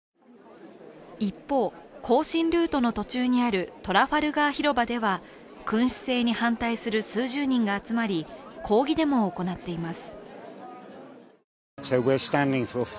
一方、行進ルートの途中にあるトラファルガー広場では君主制に反対する数十人が集まり、抗議デモを行っています。